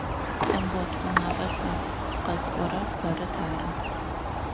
Тамбот, уимафэ шӏу, къэзыӏорэр Пэрыт ары!